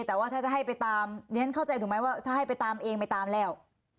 แต่ว่าถ้าจะให้ไปตามเรียนเข้าใจถูกไหมว่าถ้าให้ไปตามเองไปตามแล้ว